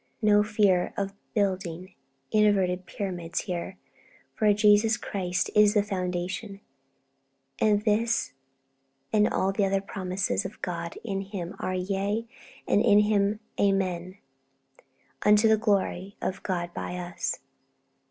No fear of building inverted pyramids here, for Jesus Christ is the foundation, and this and all the other 'promises of God in Him are yea, and in Him amen, unto the glory of God by us.'